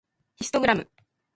ヒストグラム